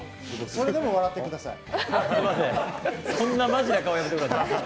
それでも笑ってください。